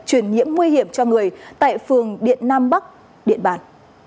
truyền nhiễm nguy hiểm cho người tại phường điện nam bắc điện bàn